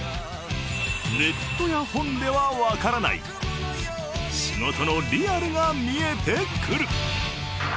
ネットや本ではわからない仕事のリアルが見えてくる。